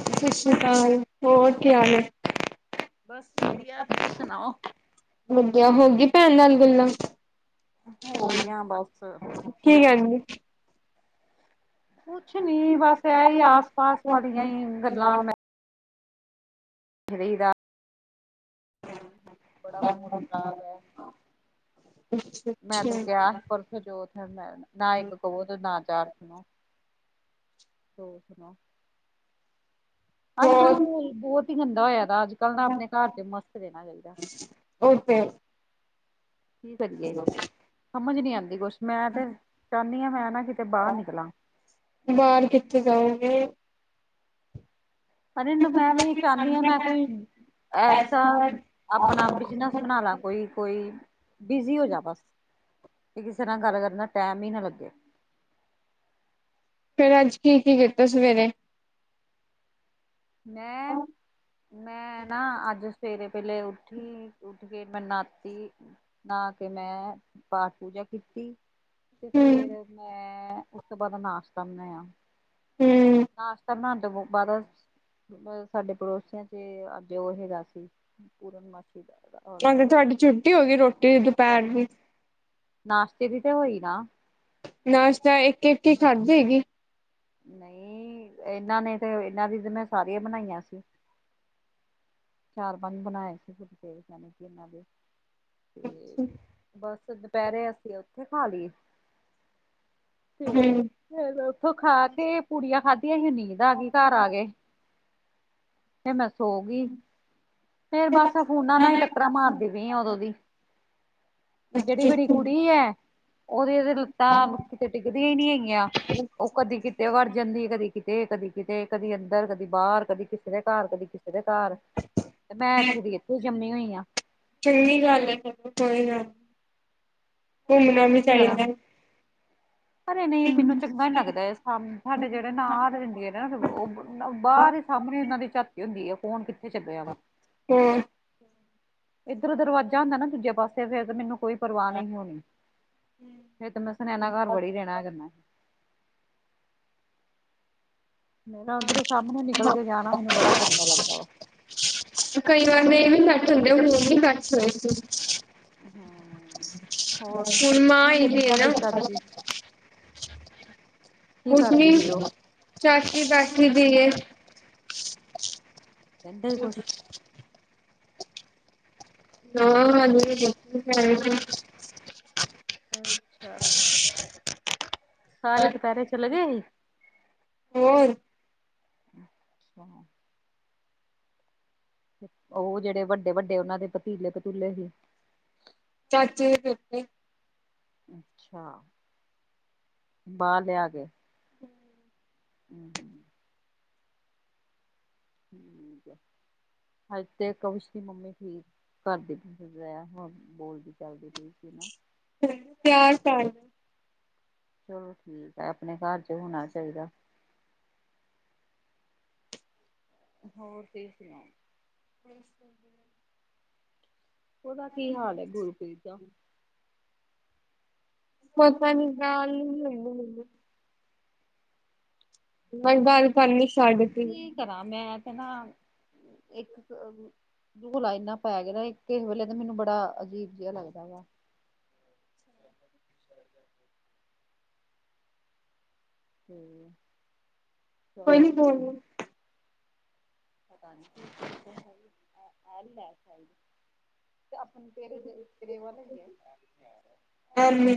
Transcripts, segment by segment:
ਸਤਿ ਸ੍ਰੀ ਅਕਾਲ, ਹੋਰ ਕੀ ਹਾਲ ਹੈ। ਬਸ ਵਧੀਆ ਤੁਸੀਂ ਸੁਣਾਓ ਵਧੀਆ ਹੋ ਗਈ ਭੈਣ ਨਾਲ ਗਲਾ। ਹੋ ਗਇਆਂ ਬਸ, ਕੀ ਠੀਕ ਕਹਿੰਦੀ? ਕੁਛ ਨੀ, ਬਸ ਅੱਛਾ ਇਹ ਹੀ ਆਸ ਪਾਸ ਵਾਲੀਆਂ ਹੀ ਗੱਲਾਂ। ਕਹੀਦਾ। ਬੜਾ ਮੂਡ ਖ਼ਰਾਬ ਹੈ। ਮੈਂ ਤ ਅੱਛਾ। ਕਿਹਾ ਪਰਸੌ ਛੋਥ, ਨਾ ਇੱਕ ਕਵੋ ਤੇ ਨਾ ਚਾਰ ਸੁਣੋ। ਹੋਰ ਸੁਣਾਓ ਅੱਜ ਕੱਲ੍ਹ ਹੋਰ ਮਾਹੌਲ ਬਹੁਤ ਹੀ ਗੰਦਾ ਹੋਇਆ ਦਾ, ਅੱਜ ਕੱਲ੍ਹ ਨਾ ਆਪਣੇ ਘਰ ਚ ਮਸਤ ਰਹਿਣਾ ਚਾਹੀਦਾ ਓਵੀ ਫੇਰ ਕੀ ਕਰੀਏ, ਸਮਝ ਨੀ ਆਉਂਦੀ ਕੁਛ, ਮੈਂ ਤੇ ਚਾਹੁੰਦੀ ਹਾਂ, ਮੈਂ ਨਾ ਕਿਤੇ ਬਾਹਰ ਨਿਕਲਾਂ। ਬਾਹਰ ਕਿੱਥੇ ਜਾਊਗੇ ਅ ਮੈਂ ਵੀ ਇਹ ਚਾਹੁੰਦੀ ਹਾਂ, ਮੈਂ ਕੋਈ ਐਸਾ ਆਪਣਾ ਬਿਜਨਸ ਬਣਾ ਲਾ ਕੋਈ, ਕੋਈ ਬਿਜੀ ਹੋ ਜਾ ਬਸ ਕਿ ਕਿਸੇ ਨਾਲ ਗੱਲ ਕਰਨ ਨਾ ਟਾਈਮ ਹੀ ਨਾ ਲੱਗੇ ਫਿਰ ਅੱਜ ਕੀ ਕੀ ਕੀਤਾ ਸਵੇਰੇ ਮੈਂ ਹੂੰ। ਮੈਂ ਨਾ ਅੱਜ ਸਵੇਰੇ ਪਹਲੇ ਉਠੀ, ਉੱਠ ਕੇ ਮੈਂ ਨਾਤੀ ਨਾ ਕੇ ਮੈਂ ਪਾਠ ਪੂਜਾ ਕੀਤੀ ਤੇ ਫੇਰ ਮੈਂ, ਉਸ ਤੋਂ ਬਾਅਦ ਨਾਸ਼ਤਾ ਬਣਾਇਆ ਹੂ ਨਾਸ਼ਤਾ ਬਣਾਉਣ ਦੇ ਬਾਦ, ਰੋਜ਼ ਸਾਡੇ ਪੜੋਸੀਆਂ ਚ ਅੱਜ ਉਹ ਹੈਗਾ ਸੀ ਪੂਰਨ ਮਾਸ਼ੀ ਤਾਂ ਤੇ ਤੁਹਾਡੀ ਛੁੱਟੀ ਹੋ ਗਈ ਰੋਟੀ ਦੁਪਹਿਰ ਦੀ ਨਾਸ਼ਤੇ ਦੀ ਤੇ ਹੋਈ ਨਾ ਨਾਸ਼ਤਾ ਇੱਕ ਇੱਕ ਹੀ ਖਾਧੀ ਹੈਗੀ ਨਹੀਂ ਇਹਨਾਂ ਨੇ, ਤੇ ਇਹਨਾਂ ਦੀ ਤੇ ਮੈਂ ਸਾਰੀਆਂ ਬਣਾਈਆਂ ਸੀ ਚਾਰ ਪੰਜ ਬਣਾਏ ਸੀ, ਫੁਲਕੇ ਇਹਨਾਂ ਦੇ ਤੇ ਬਸ ਦੁਪਹਿਰੇ ਅਸੀਂ ਉੱਥੇ ਖਾ ਲੀ ਤੇ ਹੂੰ। ਫੇਰ ਉੱਥੋਂ ਖਾ ਕੇ, ਪੁੂੜੀਆਂ ਖਾਧੀਆਂ ਸੀ, ਨੀਂਦ ਆ ਗਈ, ਘਰ ਆ ਗੇ। ਫਿਰ ਮੈਂ ਸੋ ਗਈ। ਫੇਰ ਅੱਛਾ ਬਸ ਫੋਨਾ ਨਾਲ ਹੀ ਟੱਕਰਾਂ ਮਾਰਦੀ ਪਈ ਆ ਉਦੋਂ ਦੀ ਜਿਹੜੀ ਮੇਰੀ ਅੱਛਾ। ਕੁੜੀ ਹੈ ਉਹਦੀ ਤੇ ਲੱਤਾਂ ਤੇ ਟਿੱਕਦੀਆਂ ਹੀ ਨਹੀਂ ਹੈਗੀਆਂ। ਉਹ ਕਦੀ ਕਿਤੇ ਵਰ ਜਾਂਦੀ ਕਦੀ ਕਿਤੇ ਕਦੀ ਕਿਤੇ ਕਦੀ ਅੰਦਰ ਕਦੀ ਬਾਹਰ ਕਦੀ ਕਿਸੇ ਦੇ ਘਰ ਕਦੀ ਕਿਸੇ ਦੇ ਘਰ ਤੇ ਮੈਂ ਇੱਥੇ ਦੀ ਇੱਥੋਂ ਜੰਮੀ ਹੋਈ ਆਂ। ਚੰਗੀ ਗੱਲ ਹੈ ਕੋਈ ਗੱ ਕੀ ਕਰਾਂ ਚਾਹੀਦਾ। ਅਰੇ ਨਹੀਂ ਮੈਨੂੰ ਚੰਗਾ ਨ ਲੱਗਦਾ। ਸਾਡੇ ਜਿਹੜੇ ਨਾਰ ਰਹਿੰਦੀ ਏ ਨੇ ਉਹ ਸਗੋਂ ਬਾਹਰ ਹੀ ਸਾਹਮਣੇ ਉਹਨਾਂ ਦੀ ਝ ਹੁੰਦੀ ਆ ਕੌਣ ਕਿੱਥੇ ਚੱਲਿਆ। ਹੋਰ ਇੱਧਰ ਦਰਵਾਜ਼ਾ ਹੁੰਦਾ ਨਾ ਦੂਜੇ ਪਾਸੇ ਫਿਰ ਮੈਨੂੰ ਕੋਈ ਪਰਵਾਹ ਨਹੀਂ ਹੋਣੀ ਫਿਰ ਤੇ ਮੈਂ ਸੁਨੈਨਾ ਘਰ ਬੜੀ ਰਹਿਣਾ ਸੀ। ਮੇਰਾ ਉਧਰੋਂ ਸਾਹਮਣੇ ਨਿਕਲ ਕੇ ਜਾਣਾ ਮੈਨੂੰ ਬੜਾ ਗੰਦਾ ਲੱਗਦਾ ਵਾ। ਕਈ ਵਾਰ ਦੇ ਇਹ ਵੀ ਕੱਟ ਹੁੰਦੇ ਹੂਣ ਵੀ ਕੱਟ ਹੋਏ ਸੀ। ਹੂੰ। ਹੋਰ ਹੁਣ ਮਾਂ ਕੀ ਆਈ ਕਹਿੰਦੀ ਦੀ ਏ ਤੁਹਾਡੀ ਨਾ। ਚਾਚੀ ਕੀ ਕੁਛ ਕਰਦੀ ਨਹੀਂ ਪਈ ਉਹ? ਚਾਚੀ ਬੈਠੀ ਦੀ ਏ। ਕਹਿੰਦੇ ਹੀ ਕੁਛ [unintelligible] ਅੱਛਾ ਸਾਰੇ ਦੁਪਹਿਰੇ ਚਲੇ ਗਏ ਹੀ। ਹੋਰ ਉਹ ਜਿਹੜੇ ਵੱਡੇ -ਵੱਡੇ ਉਹਨਾਂ ਦੇ ਪਤੀਲੇ ਪਤੂਲੇ ਸੀ। [unintelligible] ਅੱਛਾ ਬਾਹਰ ਲਿਆ ਕੇ। [inaudible] ਹੂੰ-ਹੂੰ ਠੀਕ ਹੈ ਅੱਜ ਤੇ ਕਵਿਸ਼ ਦੀ ਮੰਮੀ ਠੀਕ ਘਰ ਕੀ ਚੱਲ ਰਿਹਾ ਬੋਲਦੀ ਚਾਲ ਦੀ ਪਈ ਸੀ ਨਾ। ਚਾਰ ਸਾਲ ਚਲੋ ਠੀਕ ਹੈ ਆਪਣੇ ਘਰ 'ਚ ਹੋਣਾ ਚਾਹੀਦਾ। ਹੋਰ ਤੁਸੀਂ ਸੁਣਾਓ। [inaudible] ਉਹਦਾ ਕੀ ਹਾਲ ਹੈ ਗੁਰਪ੍ਰੀਤ ਦਾ ਪਤਾ ਨਹੀਂ ਜਾਨ ਨਹੀਂ ਦਿੰਦੀ ਮ ਬਸ ਗੱਲ ਕਰਨ ਨੀ ਸਾਡਤੀ। ਕੀ ਕਰਾਂ ਮੈਂ ਤੇ ਨਾ ਇੱਕ ਗੁਲਾਈ ਇੰਨਾ ਪੈ ਗਿਆਦਾ ਕਿਸੇ ਵੇਲੇ ਤਾਂ ਮੈਨੂੰ ਬੜਾ ਅਜੀਬ ਜਿਹਾ ਲੱਗਦਾ ਵਾ। ਹੂੰ ਕੋਈ ਨੀ ਖੋਲ ਲੋ। ਪਤਾ ਨੀ ਐਲ ਹ ਸਾਇਜ [inaudible] ਤੇ ਆਪਣੇ ਤੇਰੇ -ਤੇਰੇ ਵੱਲ ਹੋ ਗਏ। ਐਮੀ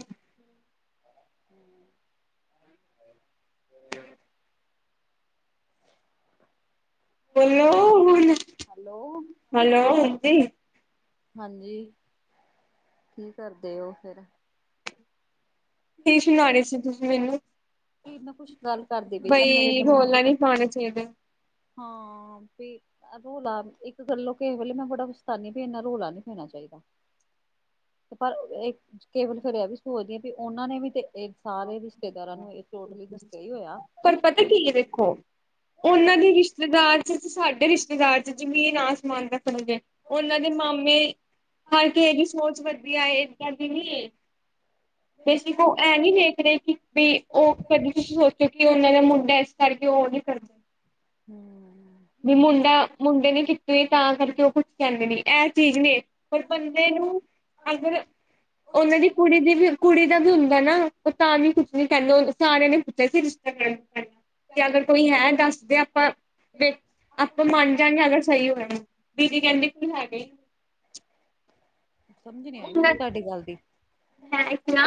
ਹੂੰ [inaudible] ਬੋਲੋ ਗੁੜੀਆ ਹੈਲੋ ਹੈਲੋ ਆਂਟੀ ਹਾਂਜੀ ਕੀ ਕਰਦੇ ਹੋ ਫਿਰ ਕੀ ਸੁਨਾਨੀ ਸੀ ਤੁਸੀਂ ਮੈਨੂੰ ਕੀ ਮੇ ਕੁੱਛ ਗੱਲ ਕਰਦੀ ਪਈ ਸੀ ਮੇਰੇ ਦਮਾਗ ਪੌਣੇ ਛੇ ਦੇ। ਹਾਂ ਪੇ ਅ ਰੋਲਾ ਇੱਕ ਗੱਲੋਂ ਕਿਸ ਵੇਲੇ ਮੈਂ ਬੜਾ ਪਛਤਾਨੀ ਵੀ ਇਨਾ ਰੌਲਾ ਨੀ ਪੈਣਾ ਚਾਹੀਦਾ। ਪਰ ਇਹ ਕਈ ਵਾਰੀ ਇਹ ਵੀ ਸੋਚਦੀਆਂ ਵੀ ਉਹਨਾਂ ਨੇ ਵੀ ਤੇ ਸਾਰੇ ਰਿਸ਼ਤੇਦਾਰਾਂ ਨੂੰ ਇਹ ਟੋਟਲੀ ਦੱਸਿਆ ਹੀ ਹੋਇਆ। ਪਰ ਪਤਾ ਕੀ ਹੈ, ਦੇਖੋ ਉਹਨਾਂ ਦੀ, ਰਿਸ਼ਤੇਦਾਰ ਚ ਤੇ ਸਾਡੇ ਰਿਸ਼ਤੇ ਦਾਰ, ਬਾਜ਼ਾਰ ਚ ਜ਼ਮੀਨ ਆਸਮਾਨ ਰੱਖਣਗੇ, ਉਹਨਾਂ ਦੇ ਮਾਮੇ ਹਰ ਕਿਸੇ ਦੀ ਸੋਚ, ਵਧੀਆ, ਏਸ ਕਰਕੇ ਨੀ ਐ, ਬੇਸਿਕ ਉਹ ਐੰਵੀ ਨੇ। ਵੀ, ਉਹ ਕਦੇ ਤੁਸੀਂ ਸੋਚੋ ਕਿ ਉਹਨਾਂ ਦਾ ਮੁੰਡਾ, ਇਸ ਕਰਕੇ ਉਹ ਨਹੀਂ ਕਰਦੇ। ਹਮਮ ਵੀ ਮੁੰਡਾ, ਮੁੰਡੇ ਨੇ ਕੀਤੇ ਤਾਂ, ਕਰਕੇ ਉਹ ਕੁੱਛ ਕਹਿੰਦੇ ਨਹੀਂ ਇਹ ਚੀਜ਼ ਨੇ ਪਰ ਬੰਦੇ ਨੂੰ, ਅਗਰ ਉਹਨਾਂ ਦੀ ਕੁੜੀ ਦੀ ਵੀ ਕੁੜੀ ਦਾ ਵੀ ਹੁੰਦਾ ਨਾ, ਉਹ ਤਾਂ ਵੀ ਕੁੱਛ ਨੀ ਕਹਿੰਦੇ, ਸਾਰਿਆਂ ਨੇ ਪੁੱਛਿਆ ਸੀ, ਰਿਸ਼ਤੇ ਦਾ ਤੇ, ਅਗਰ ਕੋਈ ਹੈ, ਦੱਸਦੇ ਆਪਾਂ ਆਪਾਂ ਮੰਨ ਜਾਂਗੇ, ਅਗਰ ਸਹੀ ਹੋਇਆ, ਦੀਦੀ ਕਹਿੰਦੇ, ਕਿ ਹੈਗੇ। ਸਮਝ ਨੀ, ਆਈ ਉਹਨਾਂ ਮੈਨੂੰ ਤੁਹਾਡੀ ਗੱਲ ਦੀ। ਮੈਂ ਕਿਹਾ,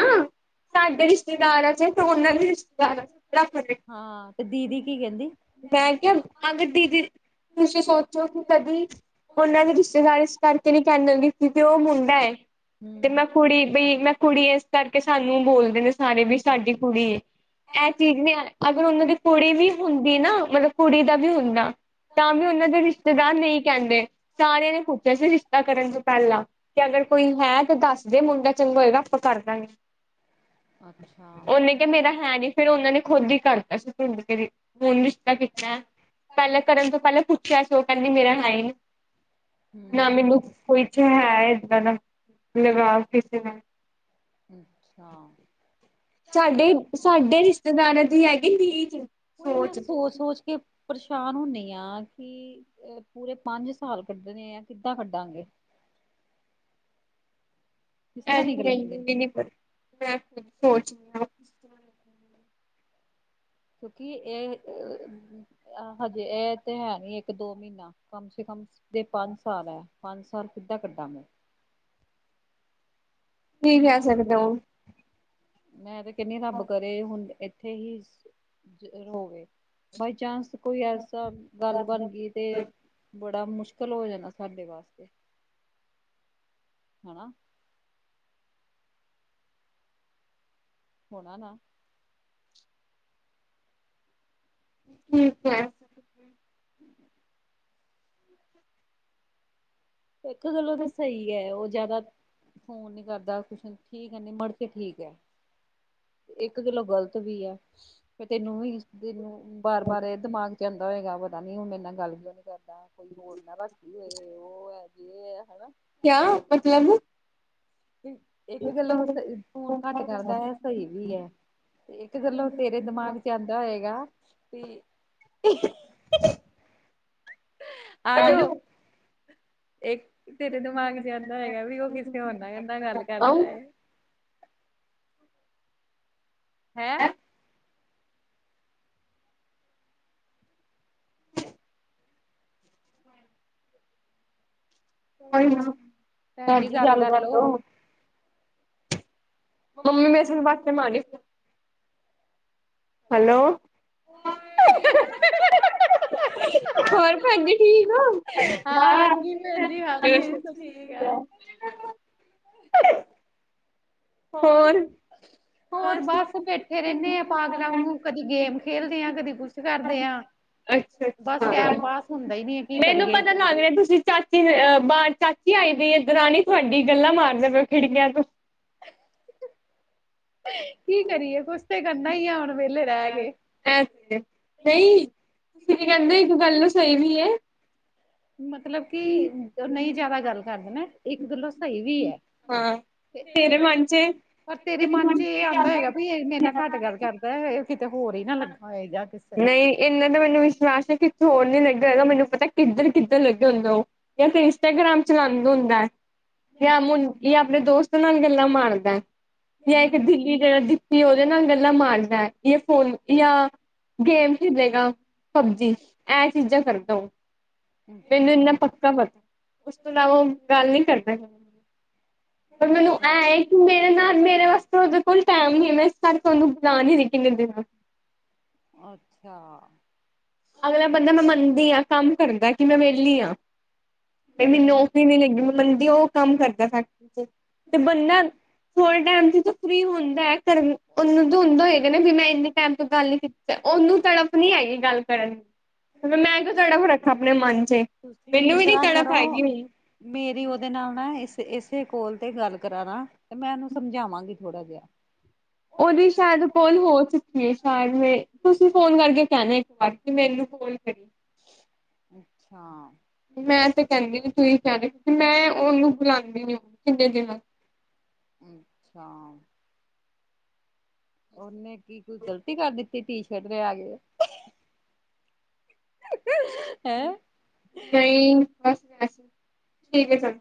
ਸਾਡੇ ਰਿਸ਼ਤੇਦਾਰ ਐਂ, ਚਾਹੇ ਤੂੰ ਉਹਨਾਂ ਦੀ ਰਿਸ਼ਤੇਦਾਰ ਐਂ ਹਾਂ, ਤੇ ਦੀਦੀ ਕੀ ਕਹਿੰਦੀ? ਮੈਂ ਕਿਹਾ, ਅਗਰ ਦੀਦੀ, ਤੁਸੀਂ ਸੋਚੋ ਕਿ ਕਦੀ ਉਹਨਾਂ ਨੇ ਰਿਸ਼ਤੇਦਾਰ, ਇਸ ਕਰਕੇ ਨਹੀਂ ਕਹਿੰਦੇ, ਬੀ ਕੀਤੀ, ਕਿਉਂਕਿ ਉਹ ਮੁੰਡਾ ਹੈ। ਹਮਮ ਬਈ, ਮੈਂ ਕੁੜੀ ਆਂ, ਇਸ ਕਰਕੇ ਸਾਨੂੰ ਬੋਲਦੇ ਨੇ ਸਾਰੇ ਵੀ, ਸਾਡੀ ਕੁੜੀ ਐ, ਇਹ ਚੀਜ਼ ਨਹੀਂ ਅਗਰ ਉਹਨਾਂ ਦੀ ਕੁੜੀ ਵੀ ਹੁੰਦੀ ਨਾ, ਮਤਲਬ ਕੁੜੀ ਦਾ ਵੀ ਹੁੰਦਾ ਤਾਂ, ਵੀ ਉਹਨਾਂ ਦੇ ਰਿਸ਼ਤੇਦਾਰ ਨੇ, ਏਹੀ ਕਹਿੰਦੇ ਸਾਰਿਆਂ ਨੇ ਪੁੱਛਿਆ ਸੀ, ਰਿਸ਼ਤਾ ਕਰਨ ਤੋਂ ਪਹਿਲਾਂ ਕਹਿੰਦੇ, ਕੋਈ ਹੈ, ਤੇ ਦੱਸ ਦੇ ਮੁੰਡਾ ਚੰਗਾ ਹੋਏਗਾ, ਆਪਾਂ ਕਰ ਦਾਂਗੇ। ਅੱਛਾ। ਉਹਨੇ ਕਿਹਾ, ਮੇਰਾ ਹੈ ਨਹੀਂ, ਫੇਰ ਉਹਨਾਂ ਨੇ ਖੁਦ ਹੀ ਕਰਤਾ ਸੀ, ਪਿੰਡ ਤੇ ਰਿਸ਼ਤਾ, ਹੁਣ ਰਿਸ਼ਤਾ ਕੀਤਾ। ਪਹਿਲਾਂ ਕਰਨ ਤੋਂ ਪਹਿਲਾਂ ਪੁੱਛਿਆ ਸੀ, ਉਹ ਕਹਿੰਦੀ ਮੇਰਾ ਹੈ ਹੀ ਨਹੀਂ। ਨਾ, ਹੂੰ ਮੈਨੂੰ ਕੁਛ ਹੈ ਇੱਦਾਂ ਦਾ ਲਗਾਵ ਕਿਸ ਅੱਛਾ। ਸਾਡੇ, ਸਾਡੇ, ਰਿਸ਼ਤੇਦਾਰਾਂ ਦੀ ਹੈਗੀ ਨੀਜ ਓਹੀ, ਬਸ ਸੋਚ- ਸੋਚ ਕੇ ਪਰੇਸ਼ਾਨ ਹੁੰਦੀ ਆ, ਕਿ ਪੂਰੇ ਪੰਜ ਸਾਲ ਕੱਢਣੇ ਆ, ਕਿੱਦਾਂ ਕੱਢਾਂਗੇ। ਕਿਸ ਐ ਤਰ੍ਹਾਂ ਤੇ, ਨਿਕਲਾਂਗੇ ਮੈਨੂੰ ਵੀ ਨਹੀਂ ਪਤਾ, ਮੈਂ ਸੋਚਦੀ ਆਂ ਕਿਉਂਕਿ, ਏ ਆਹ, ਹਜੇ ਇਹ ਤੇ ਹੈ ਨੀ, ਇੱਕ ਦੋ ਮਹੀਨਾ ਕਮ ਸੇ ਕਮ ਜੇ ਪੰਜ ਸਾਲ ਹੈ, ਪੰਜ ਸਾਲ ਕਿੱਦਾਂ ਕੱਢਾਂਗੇ। ਕੀ, ਕਿਹ ਸਕਦੇ? ਮੈਂ ਤੇ, ਕਹਿੰਦੀ ਰੱਬ ਕਰੇ ਹੁਣ ਇੱਥੇ ਹੀ ਹੋਵੇ ਬਾਇਚਾਂਸ ਕੋਈ, ਐਸਾ ਗੱਲ ਬਣ ਗਈ। ਤੇ, ਬੜਾ ਮੁਸ਼ਕਿਲ ਹੋ ਜਾਣਾ, ਸਾਡੇ ਵਾਸਤੇ ਹਨਾ ਹੋਣਾ ਨਾ? ਠੀਕ ਹੈ। [inaudible] ਇੱਕ ਗੱਲੋਂ ਤੇ ਸਹੀ ਹੈ, ਉਹ ਜ਼ਿਆਦਾ ਫੋਨ ਨਹੀਂ ਕਰਦਾ। ਠੀਕ ਹੈ, ਨਹੀਂ ਮੁੜਕੇ ਠੀਕ ਹੈ। ਇੱਕ ਗੱਲੋਂ ਗ਼ਲਤ ਵੀ ਆ, ਫੇਰ ਤੈਨੂੰ ਵੀ ਤੈਨੂੰ ਬਾਰ -ਬਾਰ, ਇਹ ਦਿਮਾਗ ਚ ਆ ਆਂਦਾ ਹੋਏਗਾ, ਪਤਾ ਨੀ ਮੇਰੇ ਨਾਲ ਗੱਲ ਕਿਉਂ ਨਹੀਂ ਕਰਦਾ, ਕੋਈ ਹੋਰ ਨਾ ਰੱਖ ਲਈ ਹੋਏ, ਉਹ ਹੈ ਯੇ ਹੈ, ਹੈਨਾ। ਕਿਆ? ਮਤਲਬ ਤੇ, ਇੱਕ ਗੱਲੋਂ ਸ ਫੋਨ ਘੱਟ ਕਰਦਾ ਹੈ, ਸਹੀ ਵੀ ਹੈ। ਇੱਕ ਗੱਲੋਂ, ਤੇਰੇ ਦਿਮਾਗ ਚ ਆਉਂਦਾ ਹੋਏਗਾ ਬੀ ਆਜੋ। ਹੈਲੋ ਇੱਕ ਤੇਰੇ ਦਿਮਾਗ ਚ, ਏਹ ਆਉਂਦਾ ਹੋਏਗਾ ਵੀ, ਉਹ ਕਿਸੇ ਹੋਰ ਨਾਲ ਨਾ ਗੱਲ ਕਰਦਾ। ਹੈਂ? [inaudible] ਪੰਜ। ਕੋਈ ਨਾ ਭੈਣ ਜੀ ਭਾਂਜੀ ਗੱਲ ਕਰ ਕਰਲੋ ਲਓ। ਮੰਮੀ ਮੈਂਸ ਬਾਤ ਨਹੀਂ ਮਾਰੀ ਹੈਲੋ ਆ। ਹ ਹਾ ਹਹ। ਹੋਰ ਭੈਣ ਜੀ ਠੀਕ ਹਾਂ ਆ ਹਾ। ਹਾਂਜੀ ਭੈਣ ਜੀ ਹਾਂਜੀ ਸਭ ਠੀਕ ਆ ਠੇਆ ਹੋਰ। ਹੋਰ ਬਸ ਬੈਠੇ ਰਹਿੰਦੇ ਆ ਪਾਗਲਾ ਆਂਗੂ ਕਦੀ ਗੇਮ ਖੇਲਦੇ ਹਾਂ ਕਦੀ ਕੁਛ ਕਰਦੇ ਹਾਂ ਅੱਛਾ ਬਸ ਟੈਮ ਅੱਛਾ ਪਾਸ ਹੁੰਦਾ ਹੀ ਨਹੀਂ ਹੈ ਕੀ ਮੈਨੂੰ ਕਰੀਏ? ਪਤਾ ਲੱਗ ਰਿਹਾ ਤੁਸੀਂ ਚਾਚੀ ਅ ਬ ਚਾਚੀ ਆਈ ਦ ਰਾਣੀ ਤੁਹਾਡੀ ਗੱਲਾਂ ਮਾਰਦੇ ਪ ਖਿੜਕੀਆਂ ਤੋਂ। ਕੀ ਕਰੀਏ ਕੁਛ ਤੇ ਕਰਨਾ ਹੀ ਆ ਹੁਣ ਵਿਹਲੇ ਰਹਿ ਕੇ ਐਸ ਨਹੀਂ ਤੁਸੀਂ ਕੀ ਕਹਿੰਦੇ ਇੱਕ ਗੱਲ ਸਹੀ ਵੀ ਹੈ। ਮਤਲਬ ਕਿ ਨਹੀਂ ਜਿਆਦਾ ਗੱਲ ਕਰਦੇਣਾ ਇੱਕ ਗਲੋਂ ਸਹੀ ਵੀ ਹੈ। ਹਾਂ ਤੇਰੇ ਮਨ ਚ ਪਰ ਤੇਰੇ ਮਨ ਚ ਇਹ ਆਉਂਦਾ ਹੋਏਗਾ ਵੀ ਮੇਰੇ ਨਾ ਘੱਟ ਗੱਲ ਕਰ ਇਹ ਕਿਤੇ ਹੋਰ ਹੀ ਨਾ ਲੱਗਾ ਹੋਏ ਜਾ ਕਿਸੇ ਨਹੀਂ ਇਹੰਨਾ ਤਾ ਮੈਨੂੰ ਵਿਸ਼ਵਾਸ ਹੈ ਕਿ ਹੋਰ ਨੀ ਲੱਗਿਆ ਹੈਗਾ ਮੈਨੂੰ ਪਤਾ ਕਿੱਧਰ ਕਿੱਧਰ ਲੱਗਿਆ ਹੁੰਦਾ ਉਹ ਜਾਂ ਫਿਰ ਇੰਸਟਾਗ੍ਰਾਮ ਚਲੰਦੇ ਹੁੰਦਾ। ਜਾਂ ਮੁ ਜਾਂ ਆਪਣੇ ਦੋਸਤ ਨਾਲ ਗੱਲਾਂ ਮਾਰਦਾ ਜਾਂ ਇੱਕ ਦਿੱਲੀ ਦੇ ਦਿ ਕੀ ਉਹਦੇ ਨਾਲ ਗੱਲਾਂ ਮਾਰਨਾ ਇਹ ਫੋਨ ਜਾਂ ਗੇਮ ਖੇਲੇਗਾ ਪਬਜੀ ਇਹ ਚੀਜ਼ਾਂ ਕਰਦ ਮੈਨੂੰ ਇੰਨਾ ਅੱਛਾ ਪ ਉਸ ਤੋਂ ਇਲਾਵਾ ਗੱਲ ਨੀ ਕਰਦਾ ਹੈਗਾ ਪਰ ਮੈਨੂੰ ਅੱਛਾ ਇਹ ਹੈ। ਮੇਰੇ ਨਾਲ ਮੇਰੇ ਵਾਸਤੇ ਉਹਦੇ ਕੋਲ ਟਾਈਮ ਨਹੀ ਮੈਂ ਇਸ ਕਰਕੇ ਉਹਨੂੰ ਬੁਲਾ ਨਹੀ ਸੀ ਰਹੀ ਕਿੰਨੇ ਦਿਨਾਂ ਅੱਛਾ। ਅਗਲਾ ਬੰਦਾ ਮੈਂ ਮੰਨਦੀ ਹਾਂ ਕੰਮ ਕਰਦਾ ਕਿ ਮੈਂ ਵਿਹਲੀ ਹਾਂ ਬ ਮੈਨੂੰ ਹਮ ਨੌਕਰੀ ਨੀ ਲੱਗੀ ਮੰਨਦੀ ਉਹ ਕੰਮ ਕਰਦਾ ਫੈਕਟਰੀ ਚ ਤੇ ਬੰਦਾ ਥੋ੍ਹੇ ਟਾਈਮ ਤੇ ਫਰੀ ਹੁੰਦਾ ਉਹਨਾਂ ਨੂੰ ਹੁੰਦਾ ਹੋਏਗਾ ਨਾ ਵੀ ਮੈਂ ਇਨੇ ਟਾਈਮ ਤੋਂ ਗੱਲ ਨੀ ਕੀਤੀ ਤੇ ਉਹਨੂੰ ਤੜਫ ਨਹੀ ਹੈਗੀ ਗੱਲ ਕਰਨ ਦੀ ਮੈਂ ਕਿਉ ਤੜਫ ਰੱਖਾ ਆਪਣੇ ਮਨ ਚ ਤੁਸੀਂ ਇਸ ਮੈਨੂੰ ਵੀ ਨੀ ਤਰ੍ਹਾਂ ਤੜਫ ਕਰੋ ਆਏ ਗੀ ਹੁ ਮੇਰੀ ਉਹਦੇ ਨਾਲ ਨਾ ਇਸ ਇਸੇ ਕੋਲ ਤੇ ਗੱਲ ਕਰਾਂਣਾ ਤੇ ਮੈਂ ਉਹਨੂੰ ਸਮਝਾਵਾਂਗੀ ਥੋੜਾ ਜਿਹਾ। ਉਹਦੀ ਸ਼ਾਇਦ ਕੋਲ ਹੋ ਚੁੱਕੀ ਹੈ ਸ਼ਾਇਦ ਮੈਂ ਤੁਸੀਂ ਫੋਨ ਕਰਕੇ ਕਹਿਣਾ ਇੱਕ ਵਾਰ ਕਿ ਮੈਨੂੰ ਕੋਲ ਕਰੀਏ ਅੱਛਾ। ਮੈਂ ਤੇ ਕਹਿੰਦੀ ਨੀ ਤੁੂੰਂ ਈ ਕਹਿ ਦੇ ਮੈਂ ਉਹਨੂੰ ਬੁਲਾਉਂਦੀ ਨ ਕਿੰਨੇ ਦਿਨਾਂ ਹਮ ਅੱਛਾ। ਉਹਨੇ ਕੀ ਕੋਈ ਗ਼ਲਤੀ ਕਰ ਦਿੱਤੀ ਟੀਸ਼ਰਟ ਲਿਆ ਆ ਗ ਹ ਹਾ ਆ। ਨਹੀਂ ਬਸ ਵਸੀ ਠੀਕ ਹੈ ਚਲ